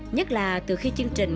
nhất là từ khi chương trình